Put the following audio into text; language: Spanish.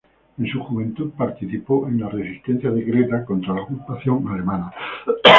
En su juventud, participó en la resistencia de Creta contra la ocupación alemana.